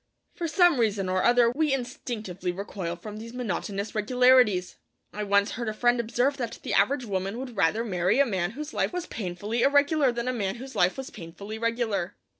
For some reason or other we instinctively recoil from these monotonous regularities. I once heard a friend observe that the average woman would rather marry a man whose life was painfully irregular than a man whose life was painfully regular.